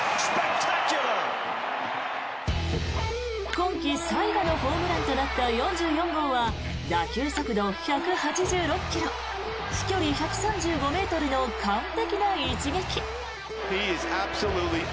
今季最後のホームランとなった４４号は打球速度１８６ｋｍ飛距離１３５ｍの完璧な一撃。